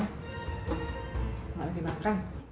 enggak lagi makan